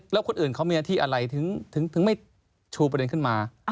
แล้วคนอื่นเขามีหน้าที่อะไรถึงไม่ชูประเด็นขึ้นมา